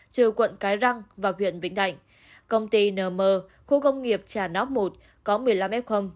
trừ quận cái răng và huyện vĩnh thạnh công ty nm khu công nghiệp trà nóc một có một mươi năm f